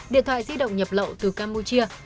điện thoại di động nhập lậu từ campuchia